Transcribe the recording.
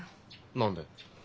何で？